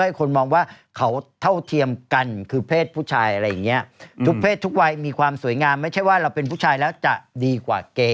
โอ๊ยลุงเวียไม่เซฟคนในกล้องถ่ายบอก